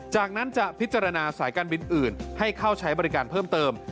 จากนั้นจะพิจารณาสายการบินอื่นให้เข้าใช้บริการเพิ่มเติม